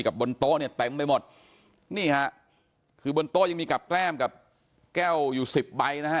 บนโต๊ะเนี่ยเต็มไปหมดนี่ฮะคือบนโต๊ะยังมีกับแก้มกับแก้วอยู่สิบใบนะฮะ